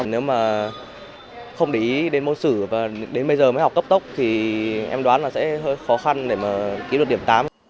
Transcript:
nếu mà không để ý đến môn sử và đến bây giờ mới học tốc thì em đoán là sẽ hơi khó khăn để mà ký luật điểm tám